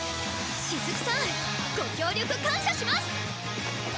しずくさんご協力感謝します！